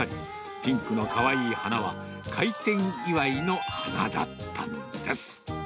ピンクのかわいい花は、開店祝いの花だったんです。